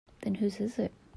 Then whose is it?